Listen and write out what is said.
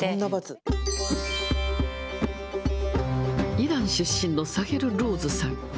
イラン出身のサヘル・ローズさん。